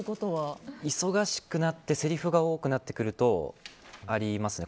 忙しくなってせりふが多くなってくるとありますね。